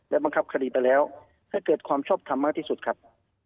และบังคับคดีไปแล้วให้เกิดความชอบทำมากที่สุดครับ